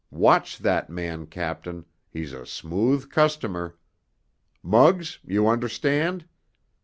Watch that man, captain—he's a smooth customer. Muggs—you understand?"